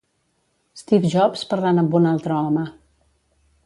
Steve Jobs parlant amb un altre home.